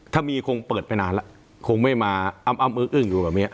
ถ้ามีคงเปิดไปนานแล้วคงไม่มาอ้ำอึ้งอึ้งอยู่แบบนี้